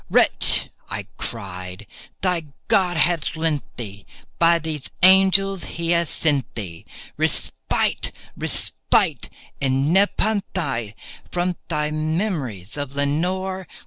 "Wretch," I cried, "thy God hath lent thee—by these angels he hath sent thee Respite—respite and nepenthé from thy memories of Lenore!